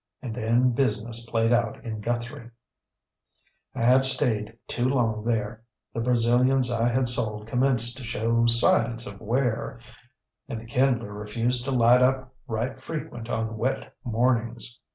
And then business played out in Guthrie. ŌĆ£I had stayed too long there. The Brazilians I had sold commenced to show signs of wear, and the Kindler refused to light up right frequent on wet mornings.